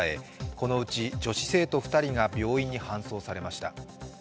このうち女子生徒２人が病院に搬送されました。